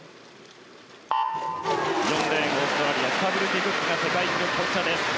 ４レーン、オーストラリアスタブルティ・クックが世界記録保持者です。